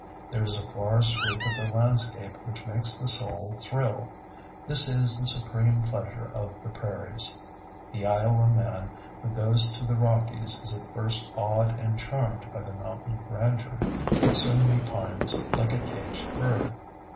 There is a far sweep of the landscape which makes the soul thrill. This is the supreme pleasure of the prairies. The Iowa man who goes to the Rockies is at first awed and charmed by the mountain grandeur, but soon he pines like a caged bird.